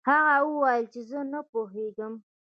هغه وویل چې زه نه پوهیږم.